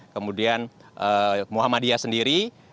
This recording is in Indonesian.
kemudian muhammadiyah sendiri